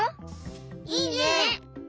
いいね！